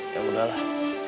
ya udah lah